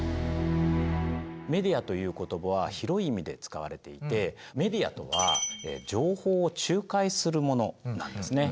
メディアという言葉は広い意味で使われていてメディアとは情報を仲介するものなんですね。